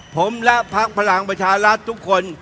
ผมและพักพลังประชารัฐทุกคน